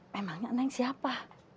memangnya neng siapa